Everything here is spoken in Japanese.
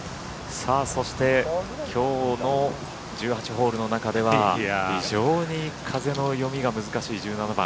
そしてきょうの１８ホールの中では非常に風の読みが難しい１７番。